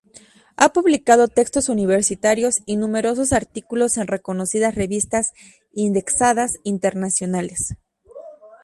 Ha publicado textos universitarios y numerosos artículos en reconocidas revistas indexadas internacionales.